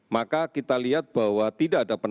maka kita lihat bahwa tidak ada perbedaan